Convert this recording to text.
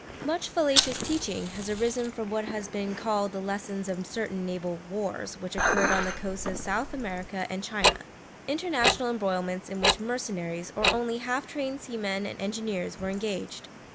Much fallacious teaching has arisen from what has been called the lessons of certain naval wars which occurred on the coasts of South America and China international embroilments in which mercenaries, or only half trained seamen and engineers, were engaged.